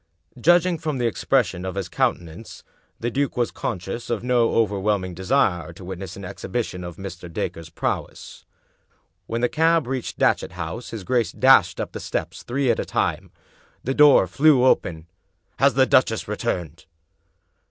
Judging from the expression of his countenance, the duke was conscious of no overwhelming desire to witness an exhibition of Mr. Dacre's prowess. When the cab reached Datchet House his g^ace dashed up the steps three at a time. The door flew open. " Has the duchess returned?